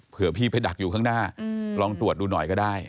เพื่อพี่ไปดักอยู่ข้างหน้าลองตรวจดูหน่อยก็ได้